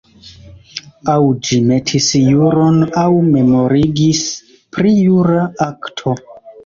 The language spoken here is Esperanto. Aŭ ĝi metis juron aŭ memorigis pri jura akto.